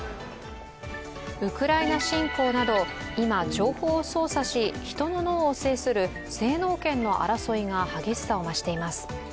ウクライナ侵攻など今、情報を操作し人の脳を制する制脳権の争いが激しさを増しています。